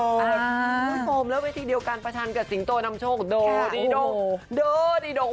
คุณผู้ชมแล้วเวทีเดียวการประชันกับสิงโตนำโชคโดดิดงโดดิดง